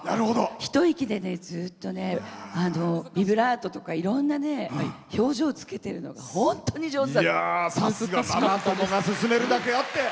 一息でずっとビブラートとかいろんな表情つけの本当に上手だった。